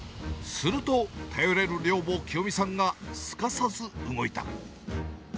すると、頼れる寮母、きよみさんがすかさず動いた。